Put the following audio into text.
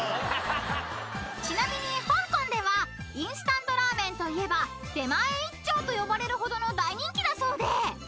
［ちなみに香港ではインスタントラーメンといえば出前一丁と呼ばれるほどの大人気だそうで］